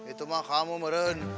itu mah kamu meren